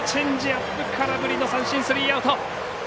チェンジアップ空振りの三振、スリーアウト。